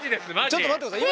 ちょっと待って下さい。